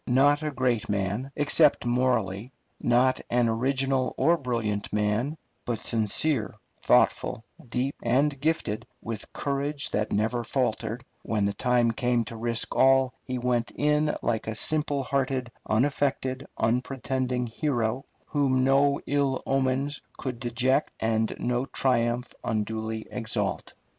Not a great man, except morally; not an original or brilliant man, but sincere, thoughtful, deep, and gifted with courage that never faltered; when the time came to risk all, he went in like a simple hearted, unaffected, unpretending hero, whom no ill omens could deject and no triumph unduly exalt.